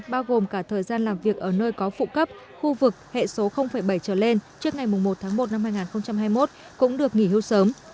bao gồm cả thời gian làm việc ở nơi có phụ cấp khu vực hệ số bảy trở lên trước ngày một tháng một năm hai nghìn hai mươi một cũng được nghỉ hưu sớm